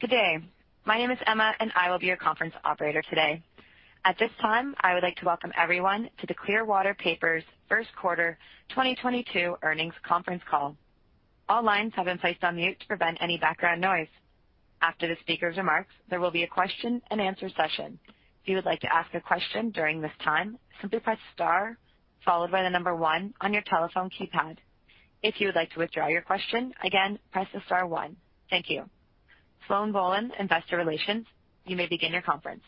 Good day. My name is Emma, and I will be your conference operator today. At this time, I would like to welcome everyone to the Clearwater Paper's First Quarter 2022 Earnings Conference Call. All lines have been placed on mute to prevent any background noise. After the speaker's remarks, there will be a question-and-answer session. If you would like to ask a question during this time, simply press star followed by the number one on your telephone keypad. If you would like to withdraw your question, again, press the star one. Thank you. Sloan Bohlen, Investor Relations, you may begin your conference.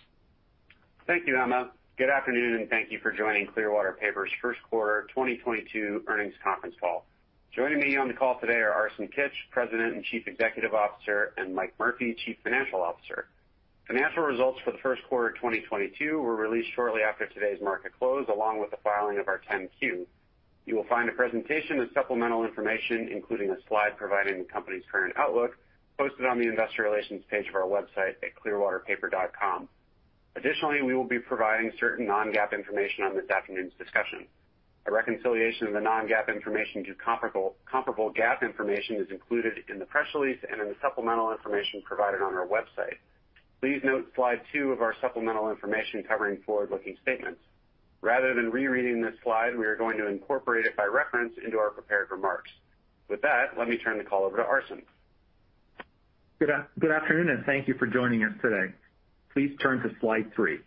Thank you, Emma. Good afternoon, and thank you for joining Clearwater Paper's first quarter 2022 earnings conference call. Joining me on the call today are Arsen Kitch, President and Chief Executive Officer, and Mike Murphy, Chief Financial Officer. Financial results for the first quarter of 2022 were released shortly after today's market close, along with the filing of our 10-Q. You will find a presentation with supplemental information, including a slide providing the company's current outlook, posted on the investor relations page of our website at clearwaterpaper.com. Additionally, we will be providing certain non-GAAP information on this afternoon's discussion. A reconciliation of the non-GAAP information to comparable GAAP information is included in the press release and in the supplemental information provided on our website. Please note slide two of our supplemental information covering forward-looking statements. Rather than rereading this slide, we are going to incorporate it by reference into our prepared remarks. With that, let me turn the call over to Arsen Kitch. Good afternoon, and thank you for joining us today. Please turn to slide three.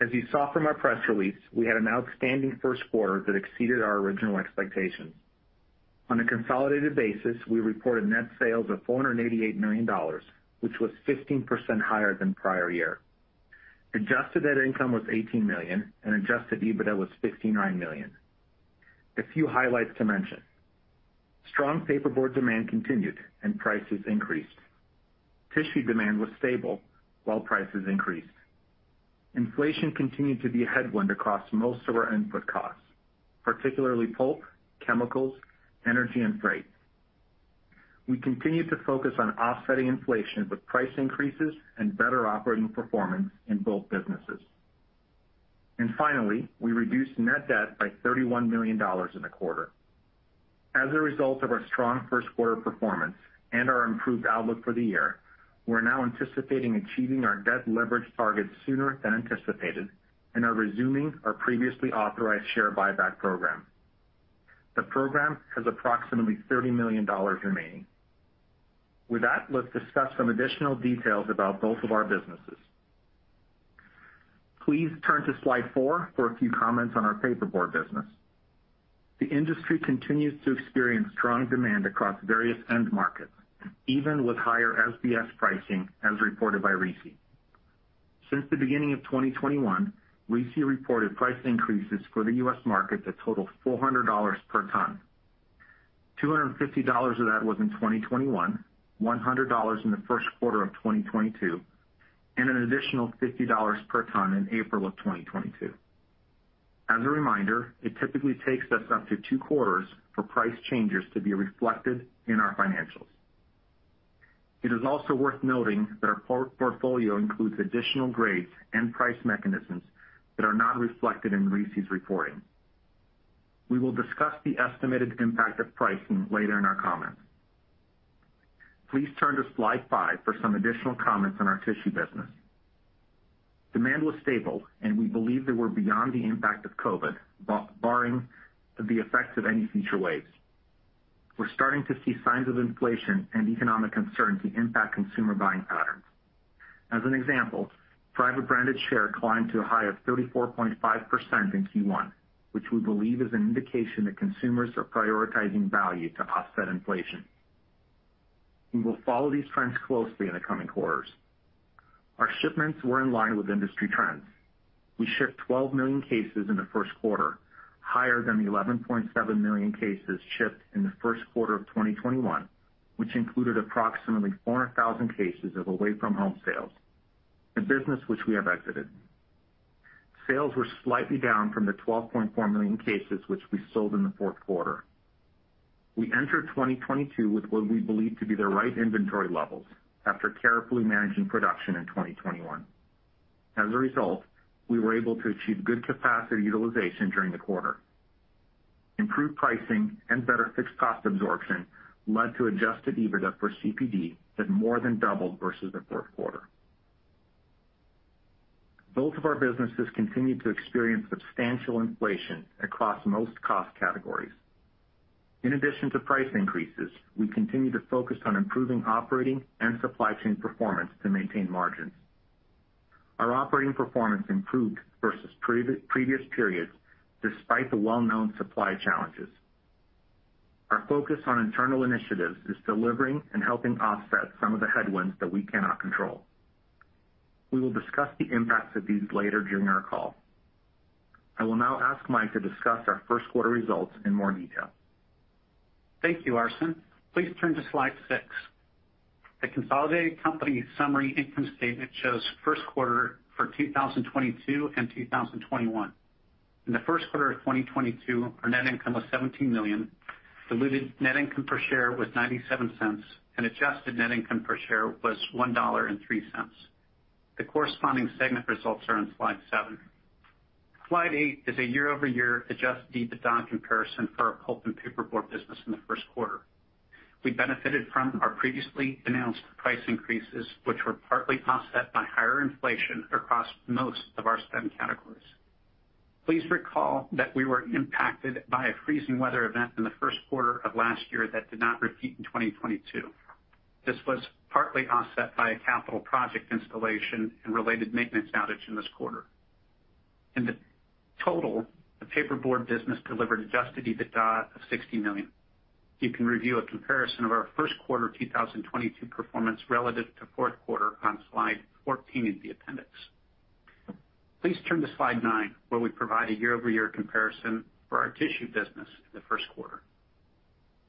As you saw from our press release, we had an outstanding first quarter that exceeded our original expectations. On a consolidated basis, we reported net sales of $488 million, which was 15% higher than prior year. Adjusted net income was $18 million, and adjusted EBITDA was $59 million. A few highlights to mention. Strong paperboard demand continued and prices increased. Tissue demand was stable while prices increased. Inflation continued to be a headwind across most of our input costs, particularly pulp, chemicals, energy, and freight. We continued to focus on offsetting inflation with price increases and better operating performance in both businesses. Finally, we reduced net debt by $31 million in the quarter. As a result of our strong first quarter performance and our improved outlook for the year, we're now anticipating achieving our debt leverage targets sooner than anticipated and are resuming our previously authorized share buyback program. The program has approximately $30 million remaining. With that, let's discuss some additional details about both of our businesses. Please turn to slide four for a few comments on our paperboard business. The industry continues to experience strong demand across various end markets, even with higher SBS pricing as reported by RISI. Since the beginning of 2021, RISI reported price increases for the U.S. market that total $400 per ton. $250 of that was in 2021, $100 in the first quarter of 2022, and an additional $50 per ton in April of 2022. As a reminder, it typically takes us up to two quarters for price changes to be reflected in our financials. It is also worth noting that our portfolio includes additional grades and price mechanisms that are not reflected in RISI's reporting. We will discuss the estimated impact of pricing later in our comments. Please turn to slide five for some additional comments on our tissue business. Demand was stable, and we believe that we're beyond the impact of COVID, barring the effects of any future waves. We're starting to see signs of inflation and economic uncertainty impact consumer buying patterns. As an example, private branded share climbed to a high of 34.5% in Q1, which we believe is an indication that consumers are prioritizing value to offset inflation. We will follow these trends closely in the coming quarters. Our shipments were in line with industry trends. We shipped 12 million cases in the first quarter, higher than the 11.7 million cases shipped in the first quarter of 2021, which included approximately 400,000 cases of away from home sales, a business which we have exited. Sales were slightly down from the 12.4 million cases which we sold in the fourth quarter. We entered 2022 with what we believe to be the right inventory levels after carefully managing production in 2021. As a result, we were able to achieve good capacity utilization during the quarter. Improved pricing and better fixed cost absorption led to adjusted EBITDA for CPD that more than doubled versus the fourth quarter. Both of our businesses continued to experience substantial inflation across most cost categories. In addition to price increases, we continue to focus on improving operating and supply chain performance to maintain margins. Our operating performance improved versus previous periods despite the well-known supply challenges. Our focus on internal initiatives is delivering and helping offset some of the headwinds that we cannot control. We will discuss the impacts of these later during our call. I will now ask Mike to discuss our first quarter results in more detail. Thank you, Arsen Kitch. Please turn to slide six. The consolidated company summary income statement shows first quarter for 2022 and 2021. In the first quarter of 2022, our net income was $17 million, diluted net income per share was $0.97, and adjusted net income per share was $1.03. The corresponding segment results are on slide seven. Slide eight is a year-over-year adjusted EBITDA comparison for our pulp and paperboard business in the first quarter. We benefited from our previously announced price increases, which were partly offset by higher inflation across most of our spend categories. Please recall that we were impacted by a freezing weather event in the first quarter of last year that did not repeat in 2022. This was partly offset by a capital project installation and related maintenance outage in this quarter. In the total, the paperboard business delivered adjusted EBITDA of $60 million. You can review a comparison of our first quarter 2022 performance relative to fourth quarter on slide 14 in the appendix. Please turn to slide nine, where we provide a year-over-year comparison for our tissue business in the first quarter.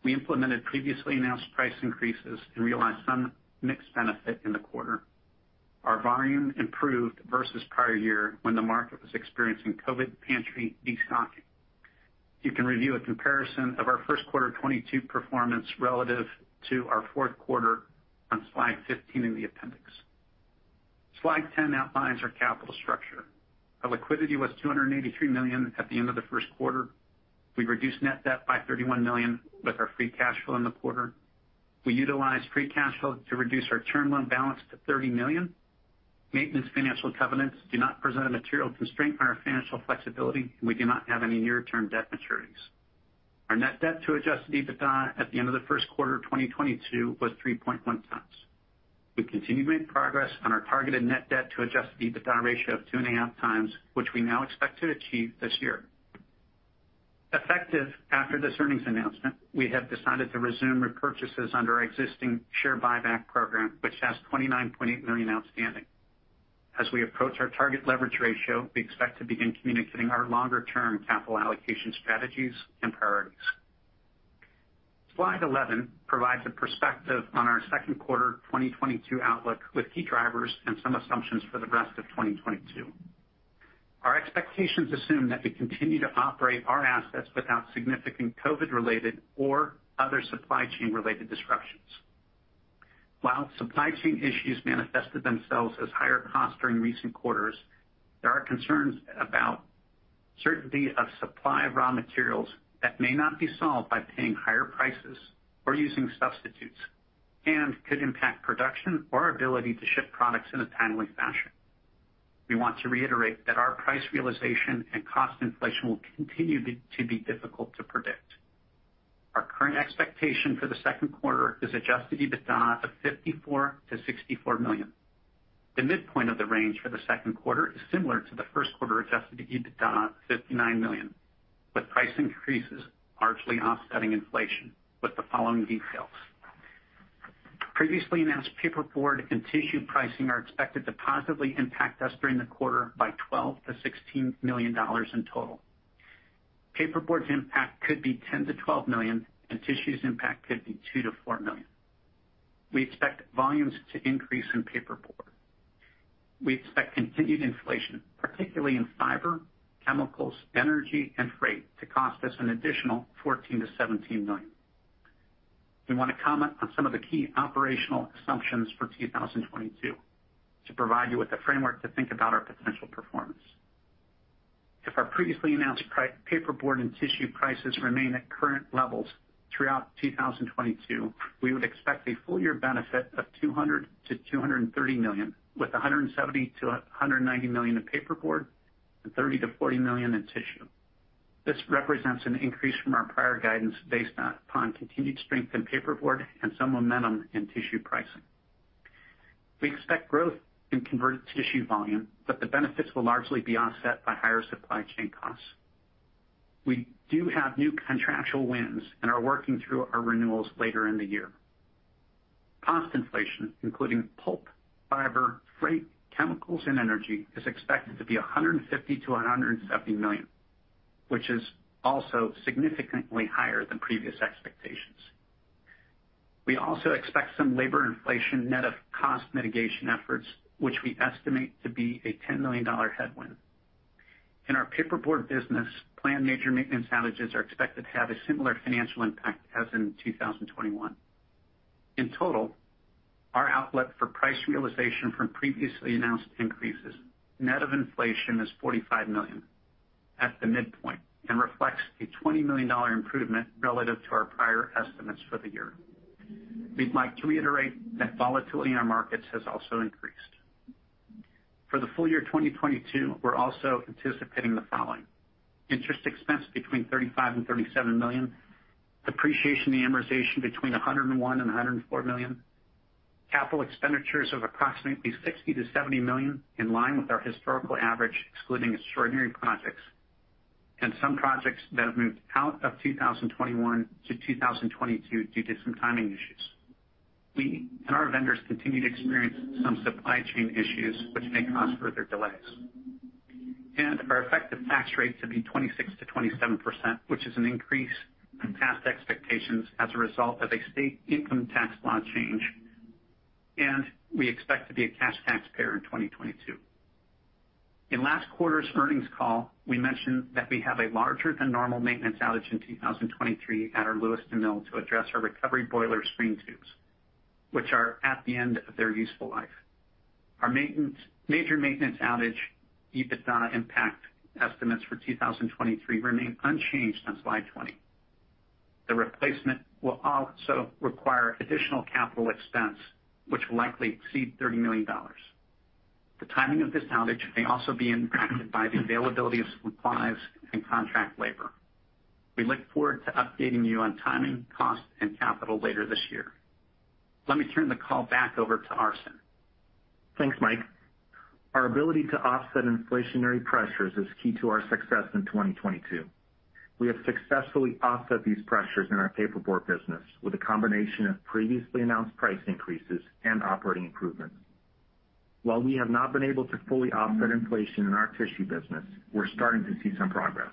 We implemented previously announced price increases and realized some mixed benefit in the quarter. Our volume improved versus prior year when the market was experiencing COVID pantry de-stocking. You can review a comparison of our first quarter 2022 performance relative to our fourth quarter on slide 15 in the appendix. Slide 10 outlines our capital structure. Our liquidity was $283 million at the end of the first quarter. We reduced net debt by $31 million with our free cash flow in the quarter. We utilized free cash flow to reduce our term loan balance to $30 million. Maintenance financial covenants do not present a material constraint on our financial flexibility, and we do not have any near-term debt maturities. Our net debt to adjusted EBITDA at the end of the first quarter of 2022 was 3.1x. We continue to make progress on our targeted net debt to adjusted EBITDA ratio of 2.5x, which we now expect to achieve this year. Effective after this earnings announcement, we have decided to resume repurchases under our existing share buyback program, which has 29.8 million outstanding. As we approach our target leverage ratio, we expect to begin communicating our longer-term capital allocation strategies and priorities. Slide 11 provides a perspective on our second quarter 2022 outlook with key drivers and some assumptions for the rest of 2022. Our expectations assume that we continue to operate our assets without significant COVID-related or other supply chain-related disruptions. While supply chain issues manifested themselves as higher costs during recent quarters, there are concerns about certainty of supply of raw materials that may not be solved by paying higher prices or using substitutes, and could impact production or ability to ship products in a timely fashion. We want to reiterate that our price realization and cost inflation will continue to be difficult to predict. Our current expectation for the second quarter is adjusted EBITDA of $54 million-$64 million. The midpoint of the range for the second quarter is similar to the first quarter adjusted EBITDA of $59 million, with price increases largely offsetting inflation with the following details. Previously announced paperboard and tissue pricing are expected to positively impact us during the quarter by $12 million-$16 million in total. Paperboard's impact could be $10-$12 million, and tissue's impact could be $2-$4 million. We expect volumes to increase in paperboard. We expect continued inflation, particularly in fiber, chemicals, energy, and freight, to cost us an additional $14-$17 million. We wanna comment on some of the key operational assumptions for 2022 to provide you with a framework to think about our potential performance. If our previously announced paperboard and tissue prices remain at current levels throughout 2022, we would expect a full year benefit of $200-$230 million, with $170-$190 million in paperboard and $30-$40 million in tissue. This represents an increase from our prior guidance based on continued strength in paperboard and some momentum in tissue pricing. We expect growth in converted tissue volume, but the benefits will largely be offset by higher supply chain costs. We do have new contractual wins and are working through our renewals later in the year. Cost inflation, including pulp, fiber, freight, chemicals, and energy, is expected to be $150 million-$170 million, which is also significantly higher than previous expectations. We also expect some labor inflation net of cost mitigation efforts, which we estimate to be a $10 million headwind. In our paperboard business, planned major maintenance outages are expected to have a similar financial impact as in 2021. In total, our outlet for price realization from previously announced increases, net of inflation is $45 million at the midpoint and reflects a $20 million improvement relative to our prior estimates for the year. We'd like to reiterate that volatility in our markets has also increased. For the full year 2022, we're also anticipating the following Interest expense between $35 million and $37 million. Depreciation and amortization between $101 million and $104 million. Capital expenditures of approximately $60-$70 million, in line with our historical average, excluding extraordinary projects and some projects that have moved out of 2021 to 2022 due to some timing issues. We and our vendors continue to experience some supply chain issues which may cause further delays. Our effective tax rate to be 26%-27%, which is an increase from past expectations as a result of a state income tax law change. We expect to be a cash taxpayer in 2022. In last quarter's earnings call, we mentioned that we have a larger than normal maintenance outage in 2023 at our Lewiston mill to address our recovery boiler screen tubes, which are at the end of their useful life. Major maintenance outage EBITDA impact estimates for 2023 remain unchanged on slide 20. The replacement will also require additional capital expense, which will likely exceed $30 million. The timing of this outage may also be impacted by the availability of supplies and contract labor. We look forward to updating you on timing, costs, and capital later this year. Let me turn the call back over to Arsen Kitch. Thanks, Mike. Our ability to offset inflationary pressures is key to our success in 2022. We have successfully offset these pressures in our paperboard business with a combination of previously announced price increases and operating improvements. While we have not been able to fully offset inflation in our tissue business, we're starting to see some progress.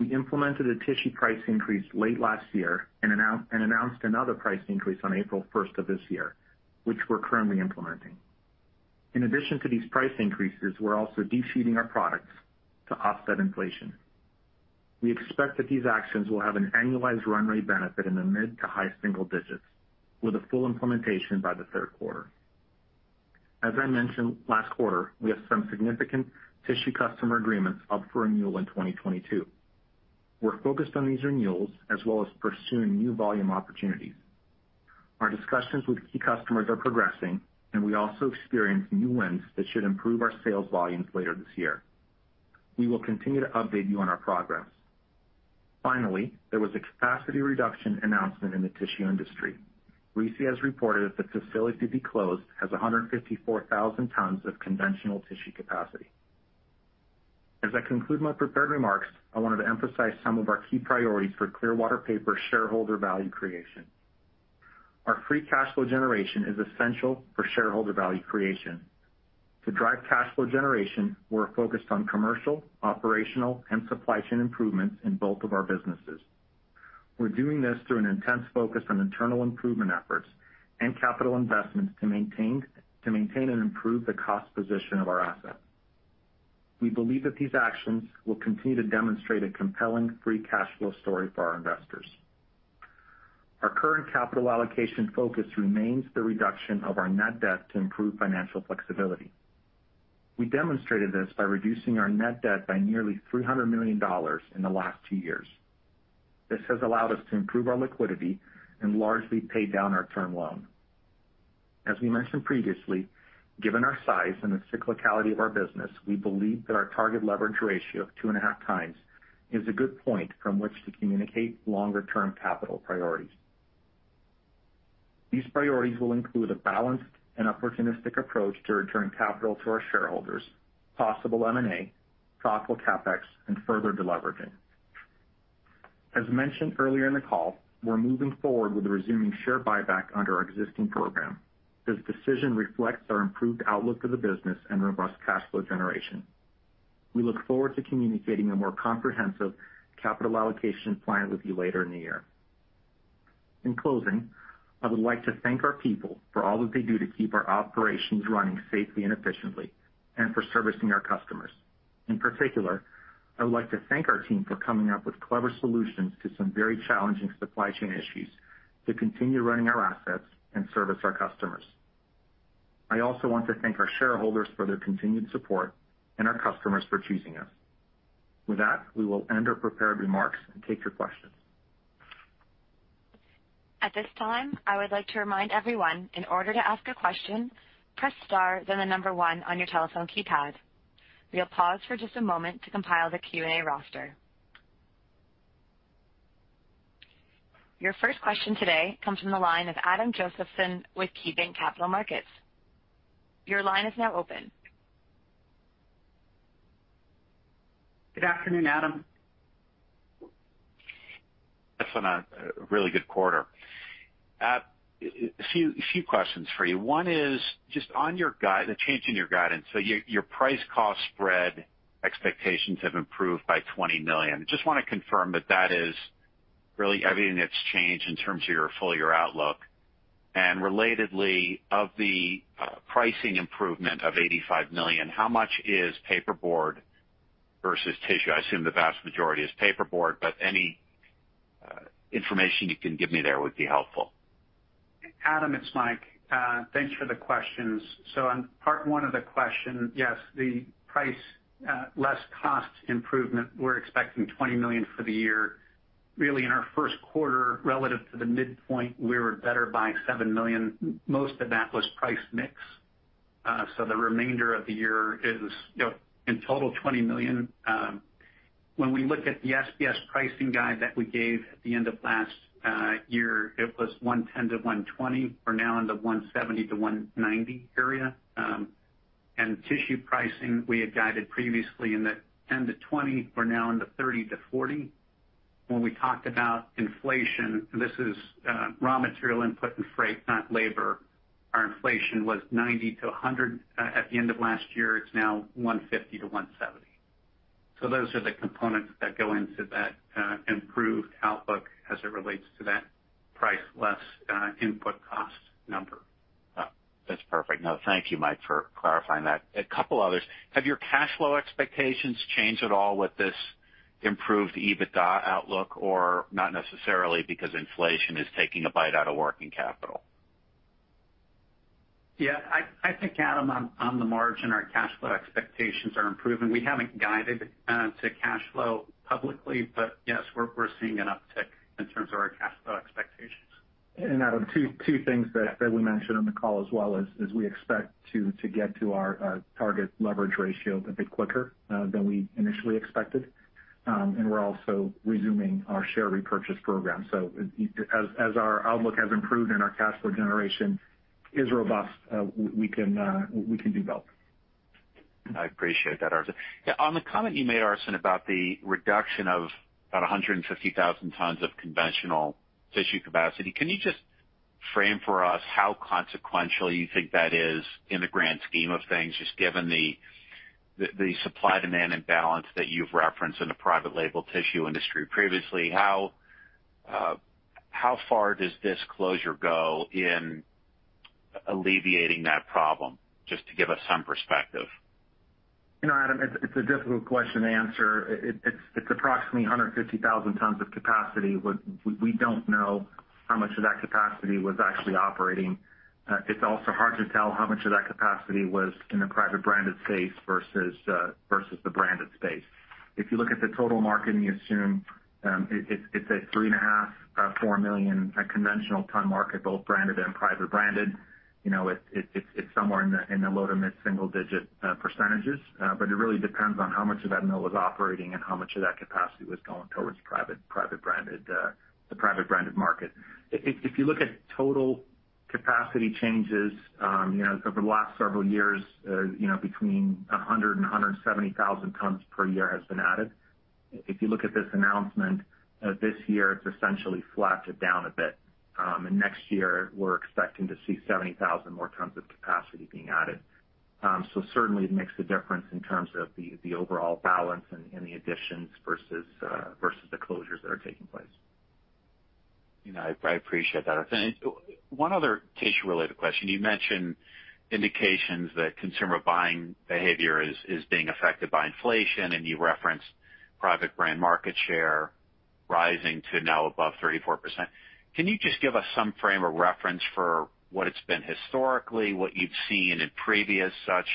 We implemented a tissue price increase late last year and announced another price increase on April 1 of this year, which we're currently implementing. In addition to these price increases, we're also de-sheeting our products to offset inflation. We expect that these actions will have an annualized run rate benefit in the mid to high single digits with a full implementation by the third quarter. As I mentioned last quarter, we have some significant tissue customer agreements up for renewal in 2022. We're focused on these renewals as well as pursuing new volume opportunities. Our discussions with key customers are progressing, and we also experienced new wins that should improve our sales volumes later this year. We will continue to update you on our progress. Finally, there was a capacity reduction announcement in the tissue industry. RISI has reported that the facility to be closed has 154,000 tons of conventional tissue capacity. As I conclude my prepared remarks, I wanted to emphasize some of our key priorities for Clearwater Paper shareholder value creation. Our free cash flow generation is essential for shareholder value creation. To drive cash flow generation, we're focused on commercial, operational, and supply chain improvements in both of our businesses. We're doing this through an intense focus on internal improvement efforts and capital investments to maintain and improve the cost position of our assets. We believe that these actions will continue to demonstrate a compelling free cash flow story for our investors. Our current capital allocation focus remains the reduction of our net debt to improve financial flexibility. We demonstrated this by reducing our net debt by nearly $300 million in the last two years. This has allowed us to improve our liquidity and largely pay down our term loan. As we mentioned previously, given our size and the cyclicality of our business, we believe that our target leverage ratio of 2.5x is a good point from which to communicate longer-term capital priorities. These priorities will include a balanced and opportunistic approach to return capital to our shareholders, possible M&A, thoughtful CapEx, and further deleveraging. As mentioned earlier in the call, we're moving forward with resuming share buyback under our existing program. This decision reflects our improved outlook for the business and robust cash flow generation. We look forward to communicating a more comprehensive capital allocation plan with you later in the year. In closing, I would like to thank our people for all that they do to keep our operations running safely and efficiently and for servicing our customers. In particular, I would like to thank our team for coming up with clever solutions to some very challenging supply chain issues to continue running our assets and service our customers. I also want to thank our shareholders for their continued support and our customers for choosing us. With that, we will end our prepared remarks and take your questions. At this time, I would like to remind everyone in order to ask a question, press star then the number one on your telephone keypad. We'll pause for just a moment to compile the Q&A roster. Your first question today comes from the line of Adam Josephson with KeyBanc Capital Markets. Your line is now open. Good afternoon, Adam. That's on a really good quarter. A few questions for you. One is just on your guidance, the change in your guidance. Your price cost spread expectations have improved by $20 million. Just wanna confirm that that is really everything that's changed in terms of your full year outlook. Relatedly, of the pricing improvement of $85 million, how much is paperboard versus tissue? I assume the vast majority is paperboard, but any information you can give me there would be helpful. Adam, it's Mike. Thanks for the questions. On part one of the question, yes, the price less cost improvement, we're expecting $20 million for the year. Really in our first quarter relative to the midpoint, we were better by $7 million. Most of that was price mix. The remainder of the year is, you know, in total $20 million. When we look at the SBS pricing guide that we gave at the end of last year, it was $110-$120. We're now in the $170-$190 area. Tissue pricing we had guided previously in the $10-$20. We're now in the $30-$40. When we talked about inflation, this is raw material input and freight, not labor. Our inflation was $90-$100 at the end of last year. It's now $150-$170. Those are the components that go into that improved outlook as it relates to that price less input cost number. That's perfect. No, thank you, Mike, for clarifying that. A couple others. Have your cash flow expectations changed at all with this improved EBITDA outlook or not necessarily because inflation is taking a bite out of working capital? Yeah, I think, Adam, on the margin, our cash flow expectations are improving. We haven't guided to cash flow publicly, but yes, we're seeing an uptick in terms of our cash flow expectations. Adam, two things that we mentioned on the call as well is we expect to get to our target leverage ratio a bit quicker than we initially expected. We're also resuming our share repurchase program. As our outlook has improved and our cash flow generation is robust, we can do both. I appreciate that, Arsen. Yeah, on the comment you made, Arsen, about the reduction of about 150,000 tons of conventional tissue capacity, can you just frame for us how consequential you think that is in the grand scheme of things, just given the supply-demand imbalance that you've referenced in the private label tissue industry previously, how far does this closure go in alleviating that problem? Just to give us some perspective. You know, Adam, it's a difficult question to answer. It's approximately 150,000 tons of capacity. We don't know how much of that capacity was actually operating. It's also hard to tell how much of that capacity was in the private branded space versus the branded space. If you look at the total market and you assume it's a 3.5 million-4 million conventional ton market, both branded and private branded, you know, it's somewhere in the low- to mid-single-digit percentages. But it really depends on how much of that mill was operating and how much of that capacity was going towards private branded, the private branded market. If you look at total capacity changes, you know, over the last several years, you know, between 100,000 and 170,000 tons per year has been added. If you look at this announcement, this year, it's essentially flat to down a bit. Next year, we're expecting to see 70,000 more tons of capacity being added. Certainly it makes a difference in terms of the overall balance and the additions versus the closures that are taking place. You know, I appreciate that. One other tissue-related question. You mentioned indications that consumer buying behavior is being affected by inflation, and you referenced private brand market share rising to now above 34%. Can you just give us some frame of reference for what it's been historically, what you've seen in previous such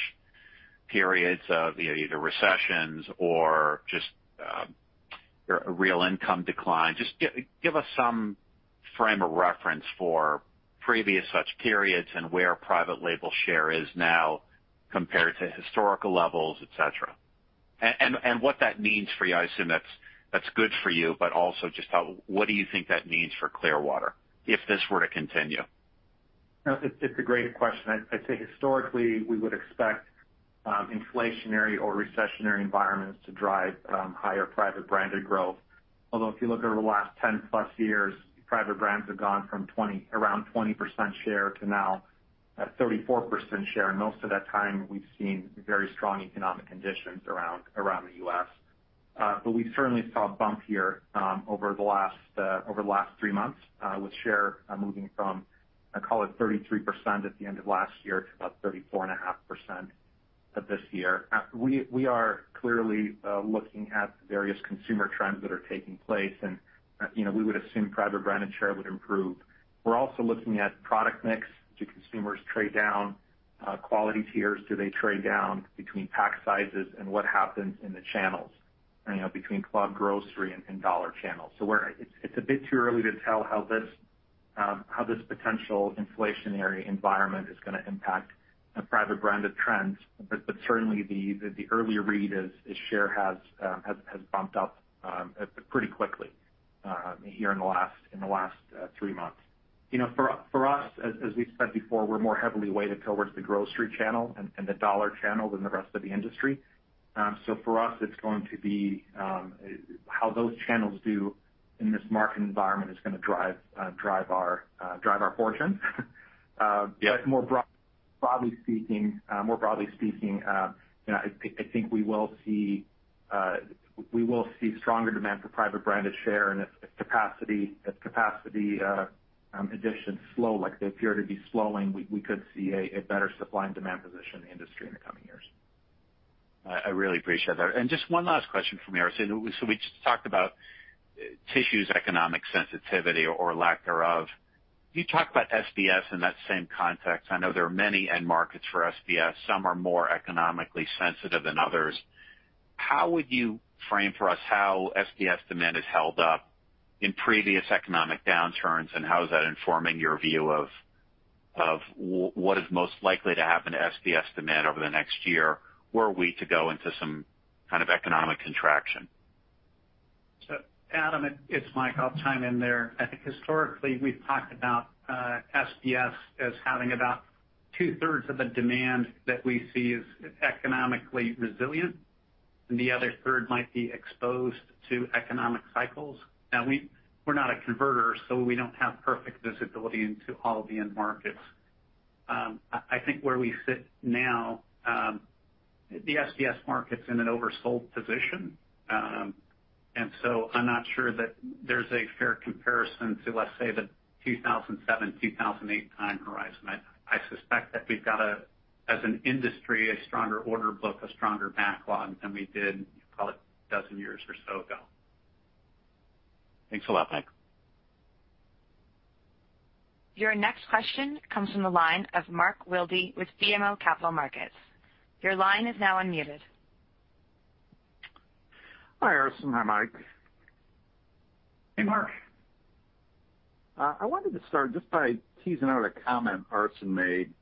periods of either recessions or just real income decline? Just give us some frame of reference for previous such periods and where private label share is now compared to historical levels, et cetera. What that means for you. I assume that's good for you, but also just what do you think that means for Clearwater Paper if this were to continue? It's a great question. I'd say historically, we would expect inflationary or recessionary environments to drive higher private branded growth. Although if you look over the last 10+ years, private brands have gone from around 20% share to now 34% share. Most of that time, we've seen very strong economic conditions around the US. We certainly saw a bump here over the last three months with share moving from, I'd call it 33% at the end of last year to about 34.5% of this year. We are clearly looking at various consumer trends that are taking place, and you know, we would assume private branded share would improve. We're also looking at product mix. Do consumers trade down quality tiers? Do they trade down between pack sizes? What happens in the channels, you know, between club grocery and dollar channels? It's a bit too early to tell how this potential inflationary environment is gonna impact the private branded trends. Certainly the early read is share has bumped up pretty quickly here in the last three months. You know, for us, as we've said before, we're more heavily weighted towards the grocery channel and the dollar channel than the rest of the industry. For us, it's going to be how those channels do in this market environment is gonna drive our fortunes. More broadly speaking, you know, I think we will see stronger demand for private branded share and if capacity additions slow, like they appear to be slowing, we could see a better supply and demand position in the industry in the coming years. I really appreciate that. Just one last question from me, Arsen. We just talked about tissue's economic sensitivity or lack thereof. Can you talk about SBS in that same context? I know there are many end markets for SBS. Some are more economically sensitive than others. How would you frame for us how SBS demand has held up in previous economic downturns, and how is that informing your view of what is most likely to happen to SBS demand over the next year, were we to go into some kind of economic contraction? Adam, it's Mike. I'll chime in there. I think historically, we've talked about SBS as having about 2/3 of the demand that we see as economically resilient, and the other 1/3 might be exposed to economic cycles. Now we're not a converter, so we don't have perfect visibility into all the end markets. I think where we sit now. The SBS market's in an oversold position. I'm not sure that there's a fair comparison to, let's say, the 2007, 2008 time horizon. I suspect that we've got, as an industry, a stronger order book, a stronger backlog than we did probably a dozen years or so ago. Thanks a lot, Mike. Your next question comes from the line of Mark Wilde with BMO Capital Markets. Your line is now unmuted. Hi, Arsen. Hi, Mike. Hey, Mark. I wanted to start just by teasing out a comment Arsen made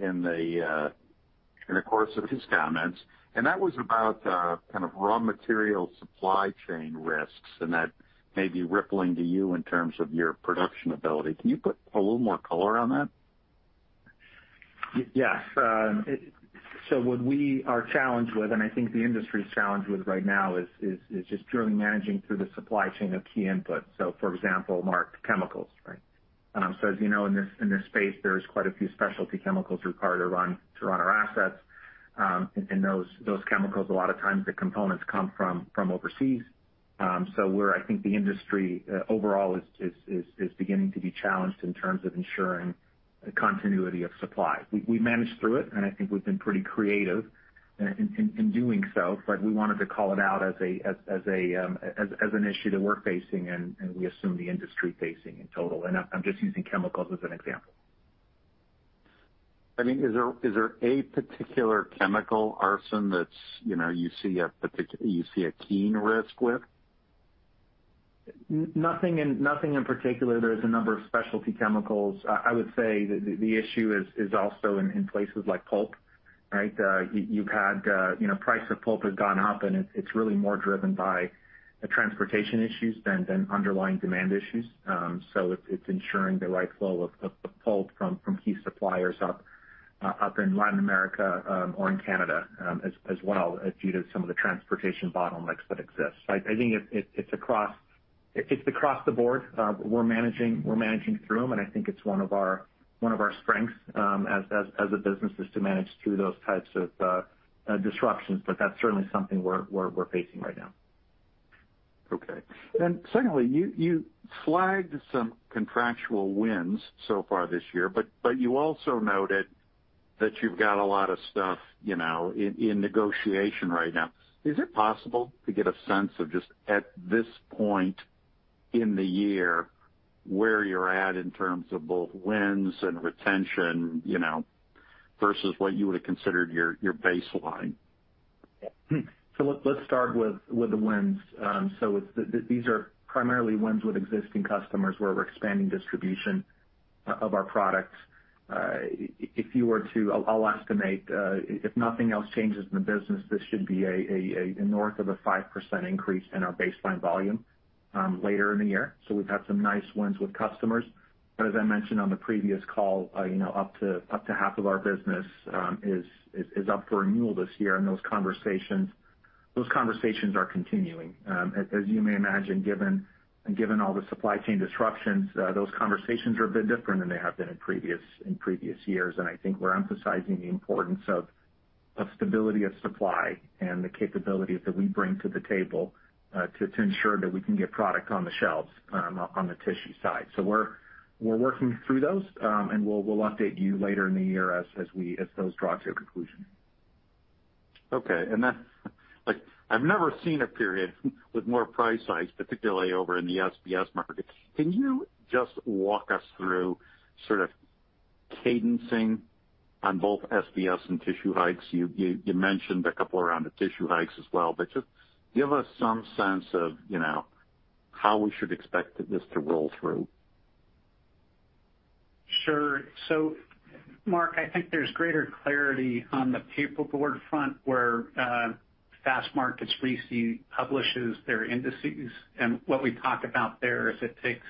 in the course of his comments, and that was about kind of raw material supply chain risks and that may be rippling to you in terms of your production ability. Can you put a little more color on that? Yes. What we are challenged with, and I think the industry's challenged with right now is just truly managing through the supply chain of key inputs. For example, Mark, chemicals, right? As you know, in this space, there's quite a few specialty chemicals required to run our assets. And those chemicals, a lot of times the components come from overseas. I think the industry overall is beginning to be challenged in terms of ensuring the continuity of supply. We managed through it, and I think we've been pretty creative in doing so, but we wanted to call it out as an issue that we're facing and we assume the industry facing in total. I'm just using chemicals as an example. I mean, is there a particular chemical, Arsen, that's, you know, you see a key risk with? Nothing in particular. There's a number of specialty chemicals. I would say the issue is also in places like pulp, right? You've had, you know, price of pulp has gone up, and it's really more driven by the transportation issues than underlying demand issues. So it's ensuring the right flow of pulp from key suppliers up in Latin America or in Canada, as well as due to some of the transportation bottlenecks that exist. I think it's across the board. We're managing through them, and I think it's one of our strengths as a business is to manage through those types of disruptions. That's certainly something we're facing right now. Okay. Secondly, you flagged some contractual wins so far this year, but you also noted that you've got a lot of stuff, you know, in negotiation right now. Is it possible to get a sense of just at this point in the year where you're at in terms of both wins and retention, you know, versus what you would have considered your baseline? Let's start with the wins. These are primarily wins with existing customers where we're expanding distribution of our products. If you were to, I'll estimate, if nothing else changes in the business, this should be north of a 5% increase in our baseline volume later in the year. We've had some nice wins with customers. As I mentioned on the previous call, you know, up to half of our business is up for renewal this year. Those conversations are continuing. As you may imagine, given all the supply chain disruptions, those conversations are a bit different than they have been in previous years. I think we're emphasizing the importance of stability of supply and the capabilities that we bring to the table, to ensure that we can get product on the shelves, on the tissue side. We're working through those, and we'll update you later in the year as those draw to a conclusion. Okay. Like, I've never seen a period with more price hikes, particularly over in the SBS market. Can you just walk us through sort of cadencing on both SBS and tissue hikes? You mentioned a couple around the tissue hikes as well, but just give us some sense of, you know, how we should expect this to roll through. Sure. Mark, I think there's greater clarity on the paperboard front where Fastmarkets RISI publishes their indices. What we talk about there is it takes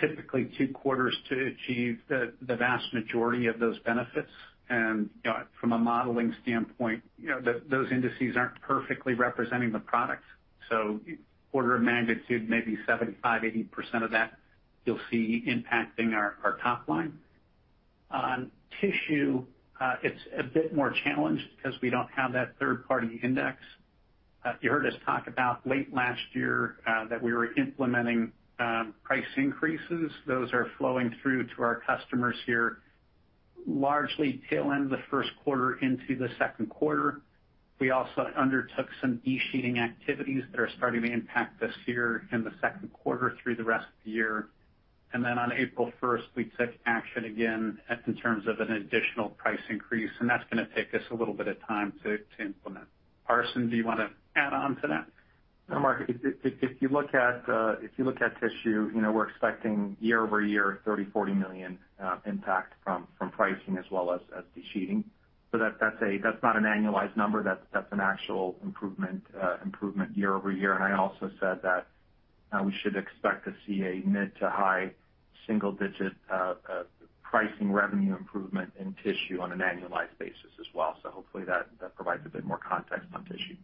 typically two quarters to achieve the vast majority of those benefits. You know, from a modeling standpoint, you know, those indices aren't perfectly representing the products. Order of magnitude, maybe 75, 80% of that you'll see impacting our top line. On tissue, it's a bit more challenged because we don't have that third-party index. You heard us talk about late last year that we were implementing price increases. Those are flowing through to our customers here, largely tail end of the first quarter into the second quarter. We also undertook some de-sheeting activities that are starting to impact this year in the second quarter through the rest of the year. On April first, we took action again in terms of an additional price increase, and that's gonna take us a little bit of time to implement. Arsen, do you wanna add on to that? No, Mark. If you look at tissue, you know, we're expecting year-over-year $30-$40 million impact from pricing as well as de-sheeting. That's not an annualized number. That's an actual improvement year-over-year. I also said that we should expect to see a mid to high single digit pricing revenue improvement in tissue on an annualized basis as well. Hopefully that provides a bit more context on tissue. Okay.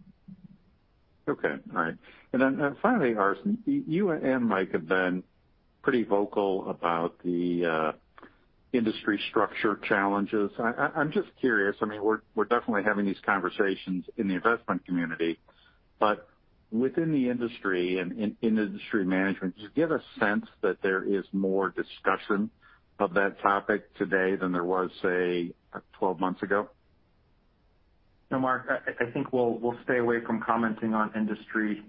All right. Finally, Arsen, you and Mike have been pretty vocal about the industry structure challenges. I'm just curious. I mean, we're definitely having these conversations in the investment community, but within the industry and in industry management, do you get a sense that there is more discussion of that topic today than there was, say, 12 months ago? No, Mark, I think we'll stay away from commenting on industry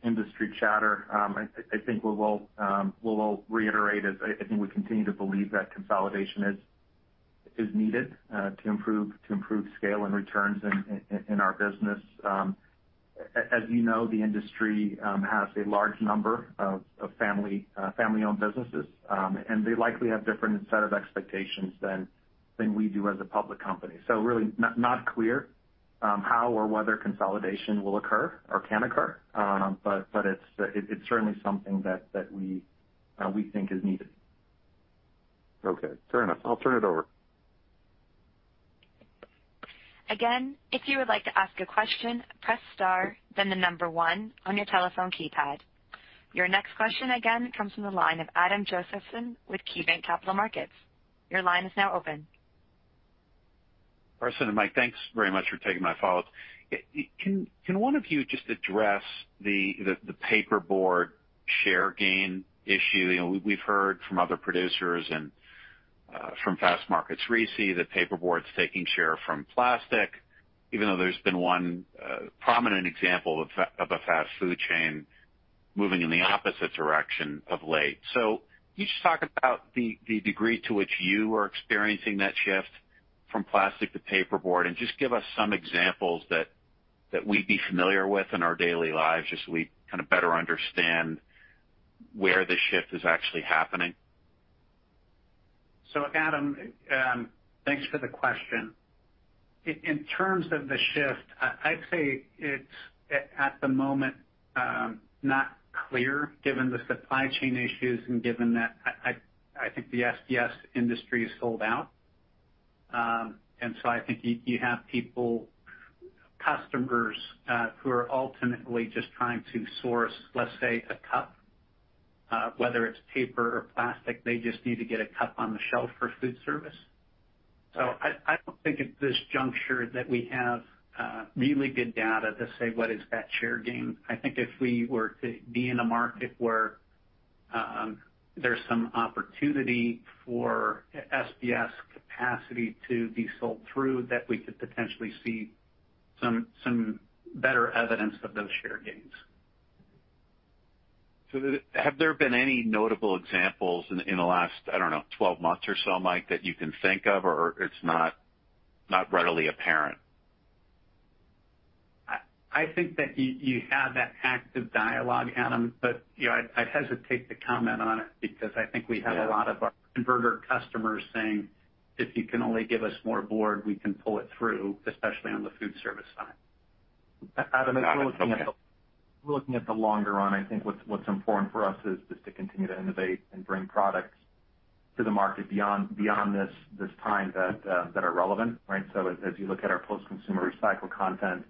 chatter. I think we will reiterate as I think we continue to believe that consolidation is needed to improve scale and returns in our business. As you know, the industry has a large number of family-owned businesses, and they likely have different set of expectations than we do as a public company. Really not clear how or whether consolidation will occur or can occur. It's certainly something that we think is needed. Okay. Fair enough. I'll turn it over. Again, if you would like to ask a question, press star, then the number one on your telephone keypad. Your next question again comes from the line of Adam Josephson with KeyBanc Capital Markets. Your line is now open. Arsen and Mike, thanks very much for taking my follow-up. Can one of you just address the paperboard share gain issue? You know, we've heard from other producers and from Fastmarkets RISI that paperboard's taking share from plastic, even though there's been one prominent example of a fast food chain moving in the opposite direction of late. Can you just talk about the degree to which you are experiencing that shift from plastic to paperboard, and just give us some examples that we'd be familiar with in our daily lives, just so we kind of better understand where the shift is actually happening. Adam, thanks for the question. In terms of the shift, I'd say it's at the moment not clear given the supply chain issues and given that I think the SBS industry is sold out. I think you have people, customers who are ultimately just trying to source, let's say, a cup whether it's paper or plastic, they just need to get a cup on the shelf for food service. I don't think at this juncture that we have really good data to say what is that share gain. I think if we were to be in a market where there's some opportunity for SBS capacity to be sold through, that we could potentially see some better evidence of those share gains. Have there been any notable examples in the last, I don't know, 12 months or so, Mike, that you can think of, or it's not readily apparent? I think that you have that active dialogue, Adam, but you know, I'd hesitate to comment on it because I think we have a lot of our converter customers saying, "If you can only give us more board, we can pull it through," especially on the food service side. Adam, as we're looking at the Got it. Okay. We're looking at the longer run. I think what's important for us is just to continue to innovate and bring products to the market beyond this time that are relevant, right? As you look at our post-consumer recycled content,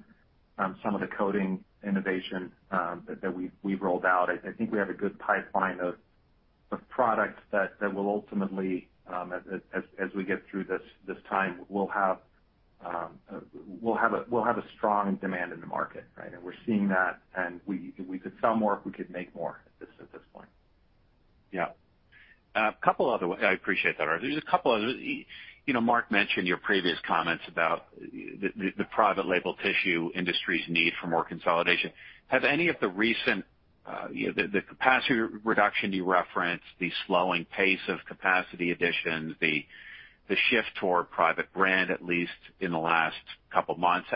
some of the coating innovation that we've rolled out, I think we have a good pipeline of products that will ultimately, as we get through this time, we'll have a strong demand in the market, right? We're seeing that, and we could sell more if we could make more at this point. Yeah. I appreciate that, Arsen. Just a couple other. You know, Mark mentioned your previous comments about the private label tissue industry's need for more consolidation. Have any of the recent, you know, the capacity reduction you referenced, the slowing pace of capacity additions, the shift toward private brand, at least in the last couple months,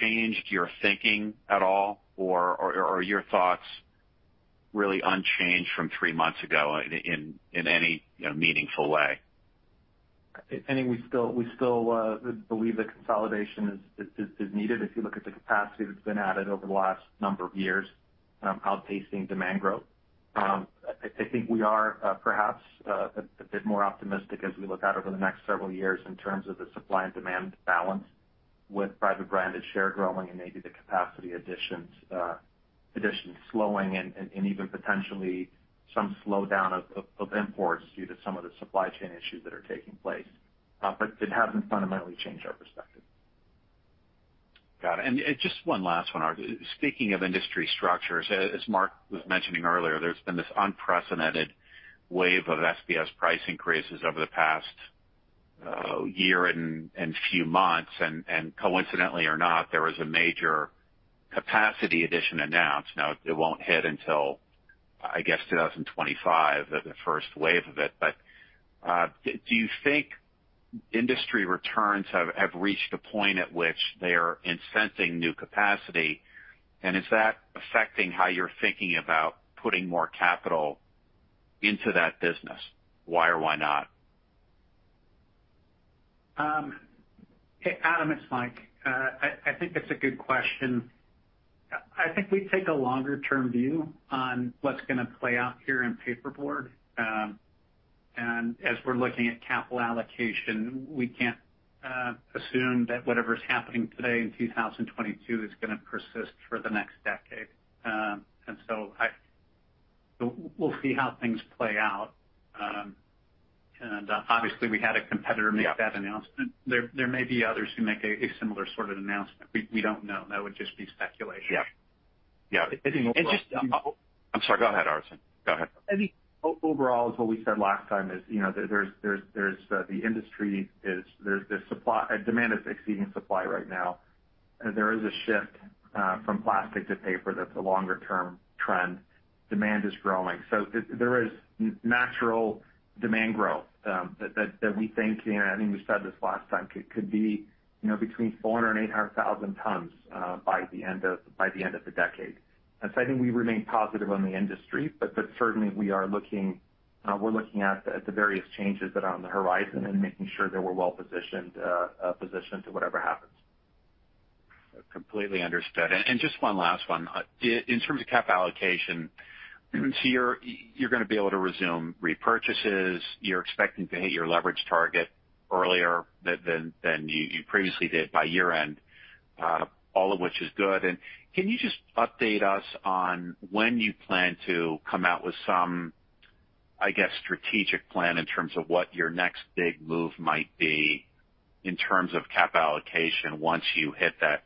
changed your thinking at all, or are your thoughts really unchanged from three months ago in any, you know, meaningful way? I think we still believe that consolidation is needed. If you look at the capacity that's been added over the last number of years, outpacing demand growth. I think we are perhaps a bit more optimistic as we look out over the next several years in terms of the supply and demand balance with private branded share growing and maybe the capacity additions slowing and even potentially some slowdown of imports due to some of the supply chain issues that are taking place. It hasn't fundamentally changed our perspective. Got it. Just one last one, Arsen. Speaking of industry structures, as Mark was mentioning earlier, there's been this unprecedented wave of SBS price increases over the past year and few months. Coincidentally or not, there was a major capacity addition announced. Now it won't hit until, I guess, 2025, the first wave of it. Do you think industry returns have reached a point at which they are incentivizing new capacity? Is that affecting how you're thinking about putting more capital into that business? Why or why not? Adam, it's Mike. I think that's a good question. I think we take a longer-term view on what's gonna play out here in paperboard. As we're looking at capital allocation, we can't assume that whatever's happening today in 2022 is gonna persist for the next decade. We'll see how things play out. Obviously, we had a competitor make that announcement. There may be others who make a similar sort of announcement. We don't know. That would just be speculation. Yeah. Yeah. I think overall. Just, I'm sorry. Go ahead, Arsen. Go ahead. I think overall is what we said last time is, you know, there's the industry is there's the supply demand is exceeding supply right now. There is a shift from plastic to paper that's a longer term trend. Demand is growing. There is natural demand growth that we think, you know, and I think we said this last time, could be, you know, between 400,000 and 800,000 tons by the end of the decade. I think we remain positive on the industry, but certainly we are looking, we're looking at the various changes that are on the horizon and making sure that we're well positioned to whatever happens. Completely understood. Just one last one. In terms of cap allocation, so you're gonna be able to resume repurchases. You're expecting to hit your leverage target earlier than you previously did by year-end, all of which is good. Can you just update us on when you plan to come out with some, I guess, strategic plan in terms of what your next big move might be in terms of cap allocation once you hit that,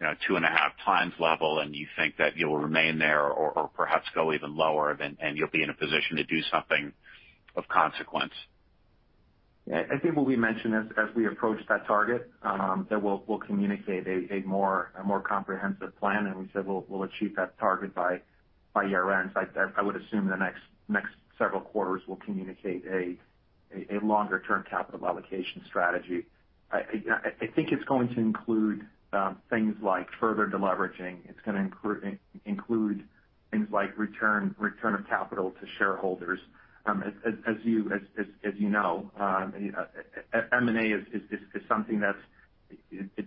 you know, 2.5x level and you think that you'll remain there or perhaps go even lower than, and you'll be in a position to do something of consequence? Yeah. I think what we mentioned as we approach that target, that we'll communicate a more comprehensive plan, and we said we'll achieve that target by year-end. I would assume in the next several quarters we'll communicate a longer-term capital allocation strategy. I think it's going to include things like further deleveraging. It's gonna include things like return of capital to shareholders. As you know, M&A is something that's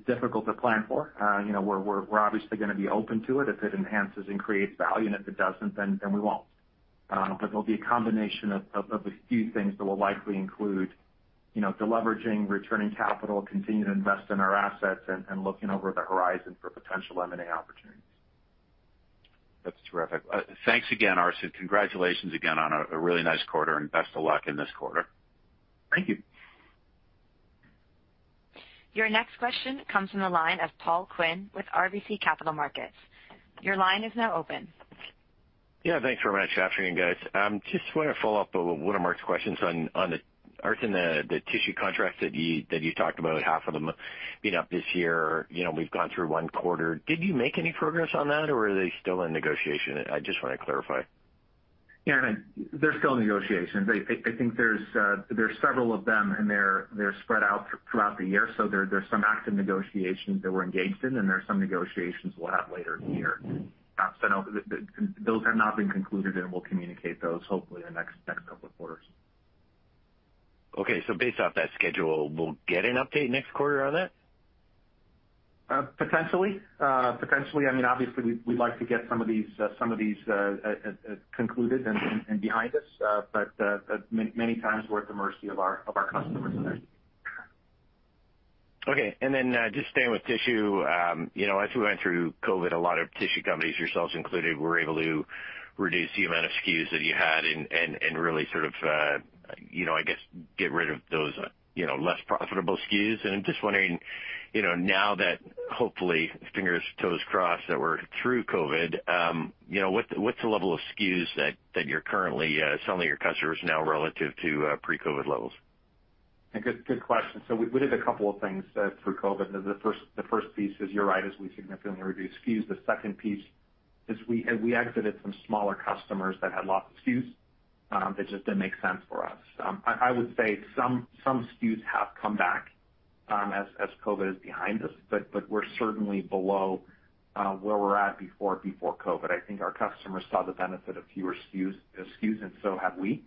difficult to plan for. You know, we're obviously gonna be open to it if it enhances and creates value. If it doesn't, then we won't. There'll be a combination of a few things that will likely include, you know, deleveraging, returning capital, continuing to invest in our assets and looking over the horizon for potential M&A opportunities. That's terrific. Thanks again, Arsen. Congratulations again on a really nice quarter, and best of luck in this quarter. Thank you. Your next question comes from the line of Paul Quinn with RBC Capital Markets. Your line is now open. Yeah. Thanks very much. Afternoon, guys. Just want to follow up on one of Mark's questions on the Arsen, the tissue contracts that you talked about, half of them being up this year. You know, we've gone through one quarter. Did you make any progress on that, or are they still in negotiation? I just wanna clarify. Yeah. They're still in negotiations. I think there's several of them, and they're spread out throughout the year, so there's some active negotiations that we're engaged in, and there's some negotiations we'll have later in the year. No, those have not been concluded, and we'll communicate those hopefully in the next couple of quarters. Okay. Based off that schedule, we'll get an update next quarter on that? Potentially. I mean, obviously, we'd like to get some of these concluded and behind us, but many times we're at the mercy of our customers there. Okay. Then, just staying with tissue, you know, as we went through COVID, a lot of tissue companies, yourselves included, were able to reduce the amount of SKUs that you had and really sort of, you know, I guess, get rid of those, you know, less profitable SKUs. I'm just wondering, you know, now that hopefully, fingers, toes crossed, that we're through COVID, you know, what's the level of SKUs that you're currently selling to your customers now relative to pre-COVID levels? A good question. We did a couple of things through COVID. The first piece is you're right, we significantly reduced SKUs. The second piece is we exited some smaller customers that had lots of SKUs that just didn't make sense for us. I would say some SKUs have come back as COVID is behind us, but we're certainly below where we're at before COVID. I think our customers saw the benefit of fewer SKUs and so have we.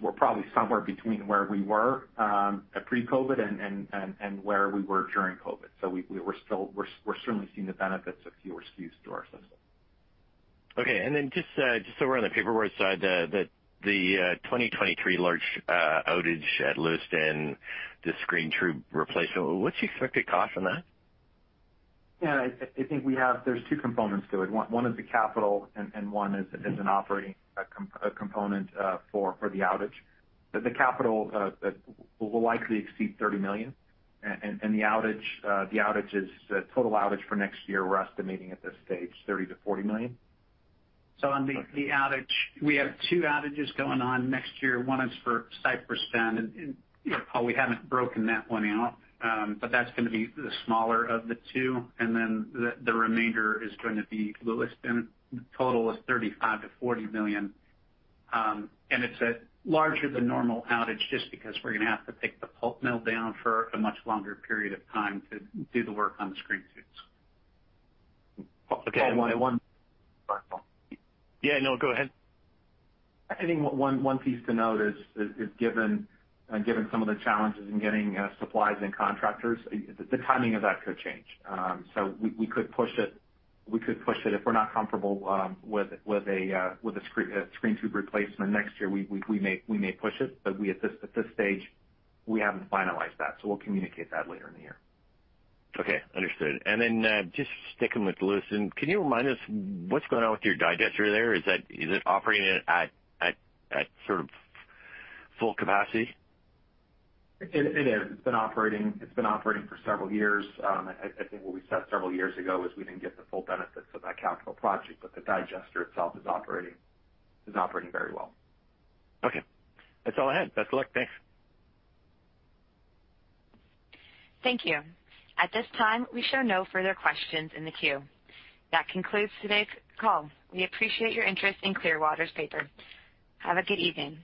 We're probably somewhere between where we were at pre-COVID and where we were during COVID. We're certainly seeing the benefits of fewer SKUs through our system. Okay. Just so we're on the paperboard side, the 2023 large outage at Lewiston, the screen tube replacement, what's the expected cost on that? Yeah. I think there's two components to it. One is the capital and one is an operating component for the outage. The capital will likely exceed $30 million. The outage is total outage for next year. We're estimating at this stage $30-$40 million. On the outage, we have two outages going on next year. One is for Cypress Bend, and you know, Paul, we haven't broken that one out, but that's gonna be the smaller of the two, and then the remainder is going to be Lewiston. Total is $35 million-$40 million. It's a larger than normal outage just because we're gonna have to take the pulp mill down for a much longer period of time to do the work on the screen tubes. Okay. Paul Quinn, one- Yeah. No, go ahead. I think one piece to note is, given some of the challenges in getting supplies and contractors, the timing of that could change. We could push it if we're not comfortable with a screen tube replacement next year. We may push it, but at this stage we haven't finalized that, so we'll communicate that later in the year. Okay. Understood. Just sticking with Lewiston, can you remind us what's going on with your digester there? Is it operating at sort of full capacity? It is. It's been operating for several years. I think what we said several years ago is we didn't get the full benefits of that capital project, but the digester itself is operating very well. Okay. That's all I had. Best of luck. Thanks. Thank you. At this time, we show no further questions in the queue. That concludes today's call. We appreciate your interest in Clearwater Paper. Have a good evening.